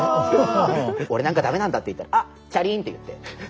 「俺なんか駄目なんだ」って言ったらあチャリンって言って。